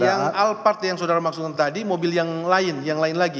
yang al part yang saudara maksudkan tadi mobil yang lain yang lain lagi